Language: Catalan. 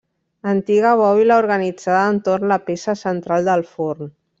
Antiga bòbila organitzada entorn la peça central del forn.